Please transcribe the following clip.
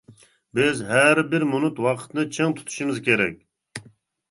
بىز ھەر بىر مىنۇت ۋاقىتنى چىڭ تۇتۇشىمىز كېرەك.